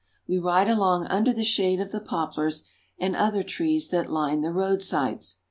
We ride along under the shade of the poplars and other trees that line the roadsides.